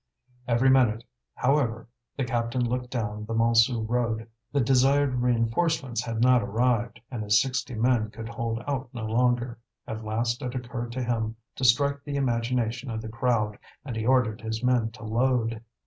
Every minute, however, the captain looked down the Montsou road. The desired reinforcements had not arrived, and his sixty men could hold out no longer. At last it occurred to him to strike the imagination of the crowd, and he ordered his men to load.